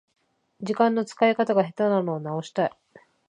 時間の使い方が下手なのを直したい